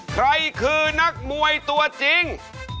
ใครคือนักมวยตัวจริง